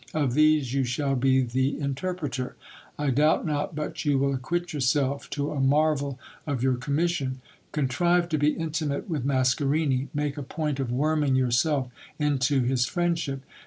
Of these you shall be the inter preter. I doubt not but you will acquit yourself to a marvel of your commis sion. Contrive to be intimate with Mascarini ; make a point of worming yourself into his friendship.